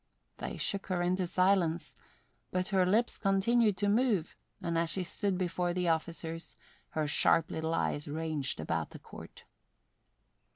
They shook her into silence, but her lips continued to move, and as she stood between the officers her sharp little eyes ranged about the court.